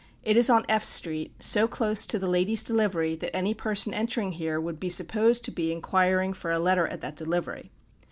It is on F street, so close to the Ladies' Delivery that any person entering here would be supposed to be inquiring for a letter at that delivery.